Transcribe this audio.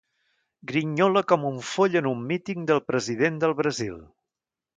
Grinyola com un foll en un míting del president del Brasil.